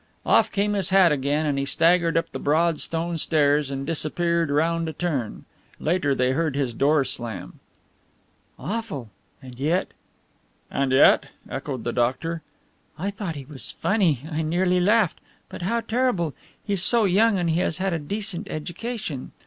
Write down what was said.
Off came his hat again and he staggered up the broad stone stairs and disappeared round a turn. Later they heard his door slam. "Awful and yet " "And yet?" echoed the doctor. "I thought he was funny. I nearly laughed. But how terrible! He's so young and he has had a decent education."